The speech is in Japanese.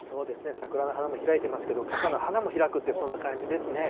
桜の花も開いていますけれども、傘の花も開くって、そんな感じですね。